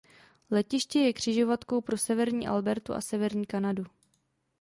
Letiště je křižovatkou pro severní Albertu a severní Kanadu.